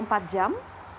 sudah ada dua puluh empat jam